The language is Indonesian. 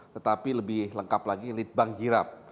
tetapi lebih lengkap lagi lead bank jirap